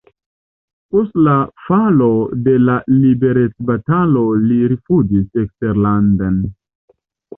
Post la falo de la liberecbatalo li rifuĝis eksterlanden.